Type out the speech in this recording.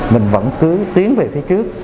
mình vẫn cứ tiến về phía trước